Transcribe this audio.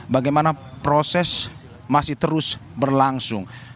bagaimana proses masih terus berlangsung